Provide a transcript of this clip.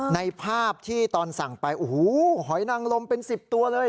ในภาพที่ตอนสั่งไปโอ้โหหอยนางลมเป็น๑๐ตัวเลย